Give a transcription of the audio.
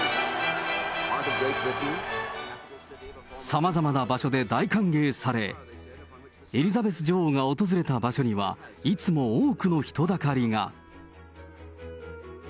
さまざまな場所で大歓迎され、エリザベス女王が訪れた場所には、いつも多くの人だかりが。